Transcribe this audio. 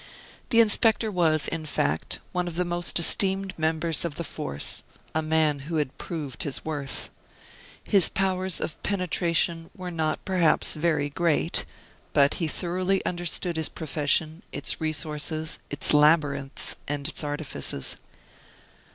The inspector was, in fact, one of the most esteemed members of the force, a man who had proved his worth. His powers of penetration were not, perhaps, very great; but he thoroughly understood his profession, its resources, its labyrinths, and its artifices.